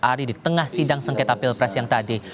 hari di tengah sidang sengketa pilpres yang tadi